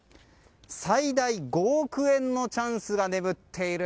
最大５億円のチャンスが眠っている。